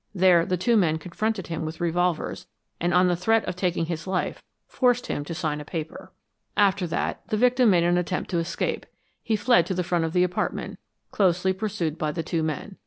There the two men confronted him with revolvers and on the threat of taking his life, forced him to sign a paper." "After that, the victim made an attempt to escape. He fled to the front of the apartment, closely pursued by the two men.